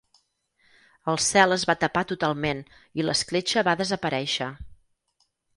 El cel es va tapar totalment i l'escletxa va desaparèixer.